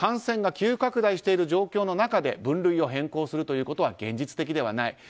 感染が急拡大している状況の中で分類を変更するのは現実的でない。